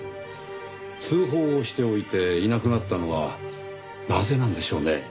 通報をしておいていなくなったのはなぜなんでしょうね？